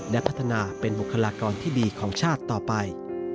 และพัฒนาเป็นบุคลากรที่ดีของชาติต่อไป